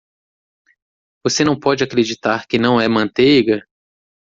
Você não pode acreditar que não é manteiga?